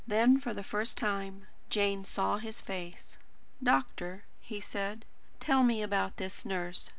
Then, for the first time, Jane saw his face. "Doctor," he said, "tell me about this nurse.